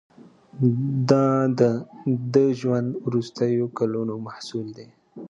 دا د ده ژوند وروستیو کلونو محصول دی.